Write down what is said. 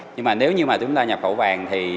nhưng mà nếu như mà chúng ta nhập khẩu vàng thì